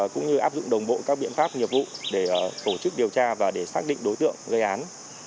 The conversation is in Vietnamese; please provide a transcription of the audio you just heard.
cũng như áp dụng đồng bộ các biện pháp nghiệp vụ để tổ chức điều tra và để xác định đối tượng gây án